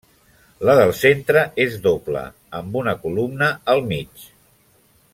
La del centre és doble, amb una columna al mig.